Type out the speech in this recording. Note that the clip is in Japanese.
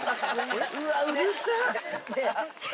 うわっうるさっ！